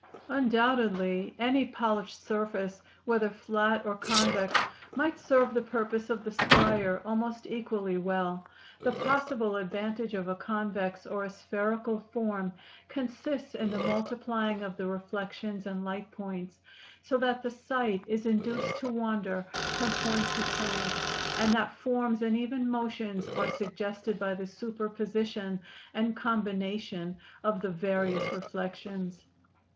Undoubtedly any polished surface, whether flat or convex, might serve the purpose of the scryer almost equally well; the possible advantage of a convex or a spherical form consists in the multiplying of the reflections and light points so that the sight is induced to wander from point to point, and that forms and even motions are suggested by the superposition and combination of the various reflections.